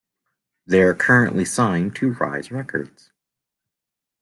They are currently signed to Rise Records.